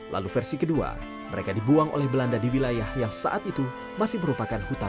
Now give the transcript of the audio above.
lalu versi kedua mereka dibuang oleh belanda di wilayah yang saat itu masih merupakan hutan